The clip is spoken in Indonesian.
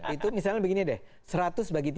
itu misalnya begini deh seratus bagi tiga